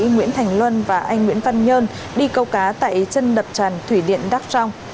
nguyễn thành luân và anh nguyễn văn nhơn đi câu cá tại chân đập tràn thủy điện đắk trong